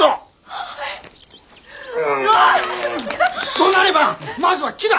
どなればまずは木だ！